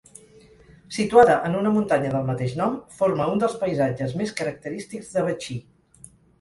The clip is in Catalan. Situada en una muntanya del mateix nom, forma un dels paisatges més característics de Betxí.